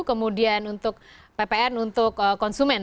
kemudian untuk ppn untuk konsumen